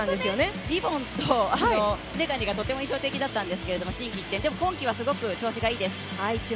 もともとリボンと眼鏡がとても印象的だったんですけど心機一転、でも今季はすごく調子がいいです。